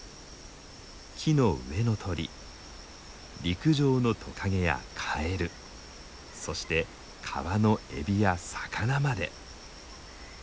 木の上の鳥陸上のトカゲやカエルそして川のエビや魚まで。